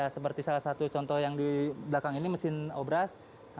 seperti salah satu contoh yang di belakang ini mesin obras